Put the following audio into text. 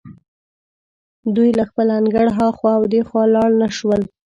دوی له خپل انګړه هخوا او دېخوا لاړ نه شول.